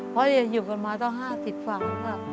เพราะอยู่กันมาต้องห้าสิทธิฟัง